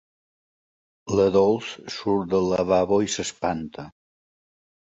La Dols surt del lavabo i s'espanta.